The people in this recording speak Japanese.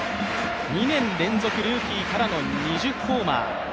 ２年連続、ルーキーからの２０ホーマー。